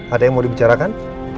ada yang mau dibicarakan